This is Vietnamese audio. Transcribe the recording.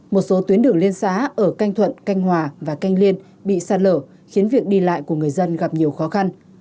một số tuyến đường liên xã ở canh thuận canh hòa và canh liên bị sạt lở khiến việc đi lại của người dân gặp nhiều khó khăn